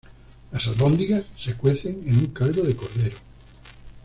Las albóndigas se cuecen en un caldo de cordero.